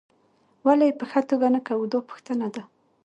ولې یې په ښه توګه نه کوو دا پوښتنه ده.